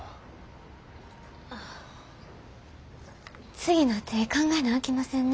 次の手ぇ考えなあきませんね。